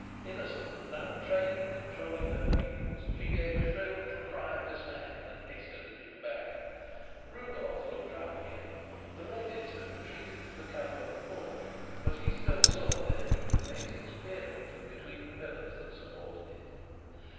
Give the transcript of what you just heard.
Innocent and untrained in controlling her feelings, she gave a shrill little cry of dismay, and hastily drew back. Rudolf looked round again. The ladies had retreated to the cover of the porch, but he still saw their eager faces peering from between the pillars that supported it.